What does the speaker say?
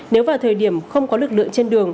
nếu vào thời điểm không có lực lượng trên đường